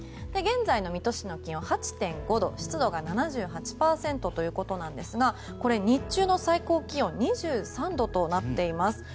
現在の水戸市の気温は８．５度湿度が７８％ということなんですがこれ、日中の最高気温２３度となっています。